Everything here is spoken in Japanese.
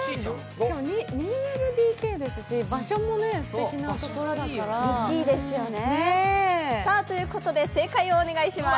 ２ＬＤＫですし、場所もすてきなところだから。ということで正解をお願いします。